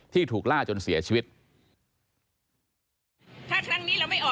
ที่ถูกล่าจนเสียชีวิต